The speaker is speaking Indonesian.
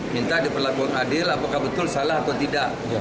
minta diperlakukan adil apakah betul salah atau tidak